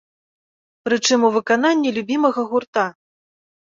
Прычым у выкананні любімага гурта!